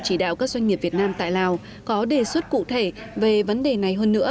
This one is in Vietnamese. chỉ đạo các doanh nghiệp việt nam tại lào có đề xuất cụ thể về vấn đề này hơn nữa